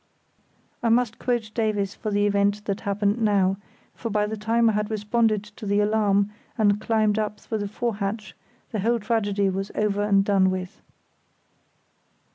I must quote Davies for the event that happened now; for by the time I had responded to the alarm and climbed up through the fore hatch, the whole tragedy was over and done with.